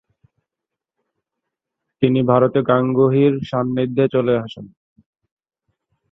তিনি ভারতে গাঙ্গুহির সান্নিধ্যে চলে আসেন।